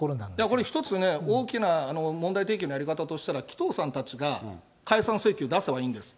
これ、一つね、大きな問題提起のやり方としたら、紀藤さんたちが解散請求出せばいいんです。